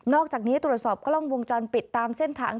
อกจากนี้ตรวจสอบกล้องวงจรปิดตามเส้นทาง